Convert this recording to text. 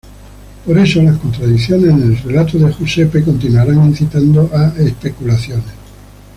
Por eso, las contradicciones en el relato de Jusepe continuarán incitando a especulaciones.